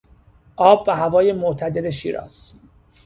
آب و هوای معتدل شیراز